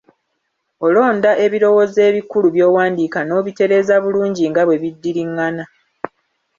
Olonda ebirowoozo ebikulu by'owandiika n'obitereeza bulungi nga bwe biddirirangana.